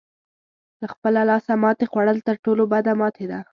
له خپله لاسه ماتې خوړل تر ټولو بده ماتې ده.